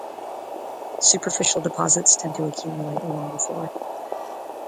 Superficial deposits tend to accumulate along the floor.